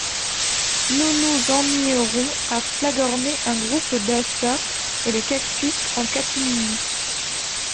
Nous nous ennuierons à flagorner un groupe d'achats et le cactus en catimini.